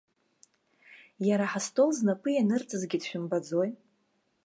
Иара ҳастол знапы ианырҵазгьы дшәымбаӡои?!